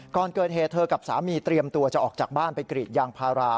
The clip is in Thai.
ก่อนเกิดเหตุเธอกับสามีเตรียมตัวจะออกจากบ้านไปกรีดยางพารา